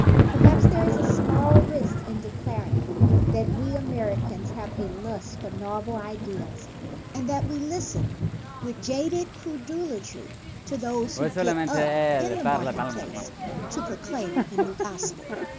Perhaps there is small risk in declaring that we Americans have a lust for novel ideas and 1 20 A PLEA FOR THE PLATITUDE that we listen with jaded credulity to those who get up in the market place to proclaim a new gospel.